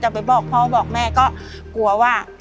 ไปบอกพ่อบอกแม่ก็กลัวว่า